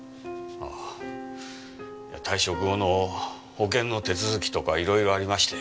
ああ退職後の保険の手続きとかいろいろありまして。